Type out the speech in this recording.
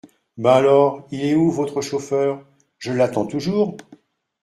Ben alors, il est où, votre chauffeur, je l’attends toujours.